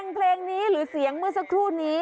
เพลงนี้หรือเสียงมือสักทุ่นนี้